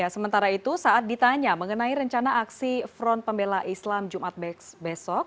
sementara itu saat ditanya mengenai rencana aksi front pembela islam jumat besok